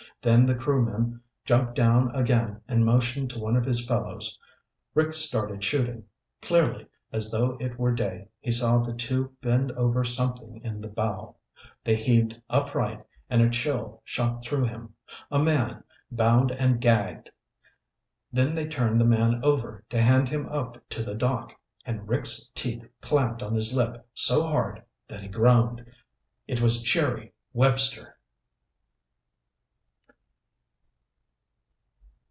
Then the crewman jumped down again and motioned to one of his fellows. Rick started shooting. Clearly, as though it were day, he saw the two bend over something in the bow. They heaved upright and a chill shot through him. A man, bound and gagged! Then they turned the man over to hand him up to the dock and Rick's teeth clamped on his lip so hard that he groaned. It was Jerry Webster!